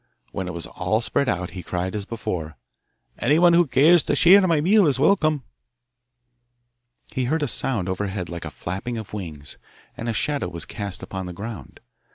When it was all spread out he cried as before, 'Anyone who cares to share my meal is welcome.' He heard a sound overhead like the flapping of wings, and a shadow was cast upon the ground.